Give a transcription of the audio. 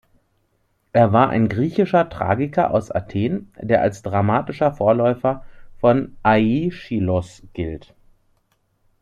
Er war ein griechischer Tragiker aus Athen, der als dramatischer Vorläufer von Aischylos gilt.